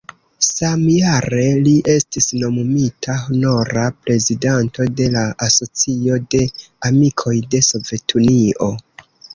Samjare li estis nomumita honora prezidanto de la Asocio de Amikoj de Sovetunio.